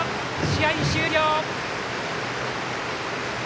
試合終了！